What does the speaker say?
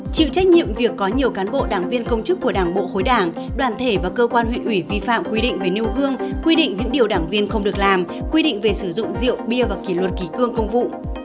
chịu trách nhiệm việc có nhiều cán bộ đảng viên công chức của đảng bộ khối đảng đoàn thể và cơ quan huyện ủy vi phạm quy định về nêu gương quy định những điều đảng viên không được làm quy định về sử dụng rượu bia và kỷ luật kỳ cương công vụ